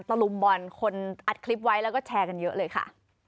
ลุมบอลคนอัดคลิปไว้แล้วก็แชร์กันเยอะเลยค่ะ